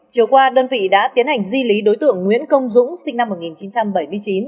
chiều qua đơn vị đã tiến hành di lý đối tượng nguyễn công dũng sinh năm một nghìn chín trăm bảy mươi chín